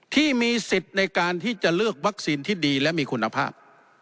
ที่มีสิทธิ์ในการที่จะเลือกวัคซีนที่ดีและมีคุณภาพ